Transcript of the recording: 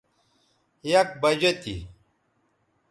یک بجہ تھی